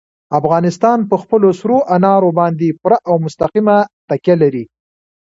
افغانستان په خپلو سرو انارو باندې پوره او مستقیمه تکیه لري.